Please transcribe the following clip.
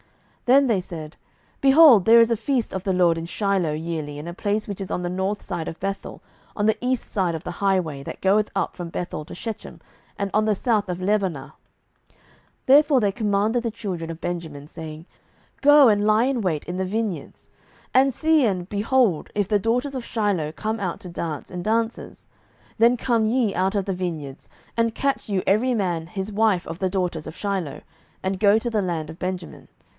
07:021:019 Then they said, Behold, there is a feast of the LORD in Shiloh yearly in a place which is on the north side of Bethel, on the east side of the highway that goeth up from Bethel to Shechem, and on the south of Lebonah. 07:021:020 Therefore they commanded the children of Benjamin, saying, Go and lie in wait in the vineyards; 07:021:021 And see, and, behold, if the daughters of Shiloh come out to dance in dances, then come ye out of the vineyards, and catch you every man his wife of the daughters of Shiloh, and go to the land of Benjamin.